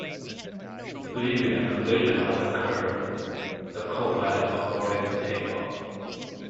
Believing a collision had occurred, the copilot aborted the takeoff.